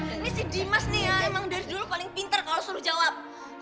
ini sih dimas nih ya emang dari dulu paling pinter kalau suruh jawab